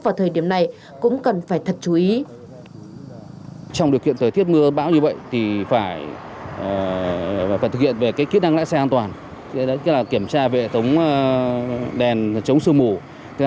vào thời điểm này cũng cần phải thật chú ý